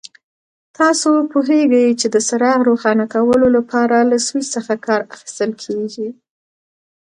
تاسو پوهیږئ چې د څراغ روښانه کولو لپاره له سوېچ څخه کار اخیستل کېږي.